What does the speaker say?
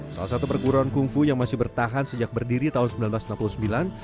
salah satu perguruan kungfu yang masih bertahan sejak berdiri tahun seribu sembilan ratus enam puluh sembilan